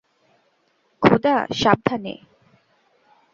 খোদা, সাবধানে!